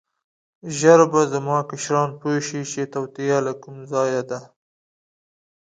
ژر به زما کشران پوه شي چې توطیه له کوم ځایه ده.